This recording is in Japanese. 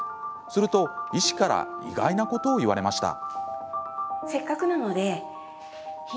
すると、医師から意外なことを言われました。